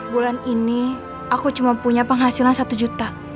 bulan ini aku cuma punya penghasilan satu juta